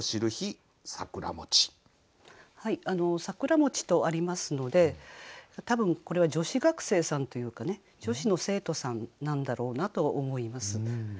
「さくらもち」とありますので多分これは女子学生さんというかね女子の生徒さんなんだろうなと思います。